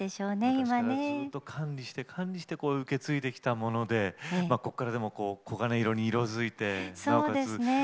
昔からずっと管理して管理して受け継いできたものでこっからでもこう黄金色に色づいてなおかつ